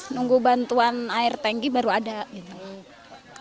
nunggu bantuan air tanki baru ada gitu